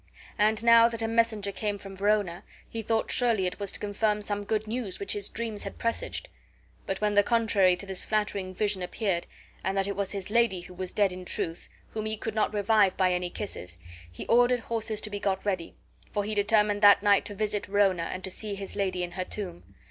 And now that a messenger came from Verona, he thought surely it was to confirm some good news which his dreams had presaged. But when the contrary to this flattering vision appeared, and that it was his lady who was dead in truth, whom he could not revive by any kisses, he ordered horses to be got ready, for he determined that night to visit Verona and to see his lady in her tomb.